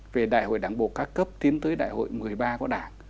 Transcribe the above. về đại hội đảng bộ các cấp tiến tới đại hội một mươi ba của đảng